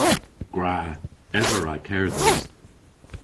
Gwra! Ev a wra kerdhes.